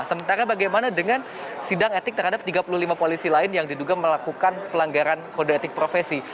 sementara bagaimana dengan sidang etik terhadap tiga puluh lima polisi lain yang diduga melakukan pelanggaran kode etik profesi